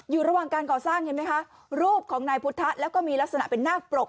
อยู่ระหว่างการก่อสร้างเห็นไหมคะรูปของนายพุทธะแล้วก็มีลักษณะเป็นนาคปรก